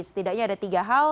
setidaknya ada tiga hal